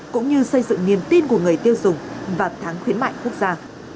cũng như xây dựng niềm tin của người tiêu dùng và tháng khuyến mại quốc gia